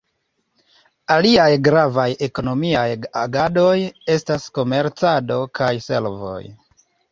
Aliaj gravaj ekonomiaj agadoj estas komercado kaj servoj.